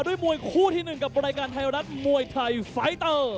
ด้วยมวยคู่ที่๑กับรายการไทยรัฐมวยไทยไฟเตอร์